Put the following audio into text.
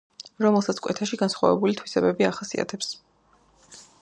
რომელსაც კვეთში განსხვავებული თვისებები ახასიათებს.